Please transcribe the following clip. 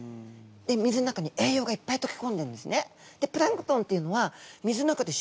で水の中に栄養がいっぱいとけこんでるんですね。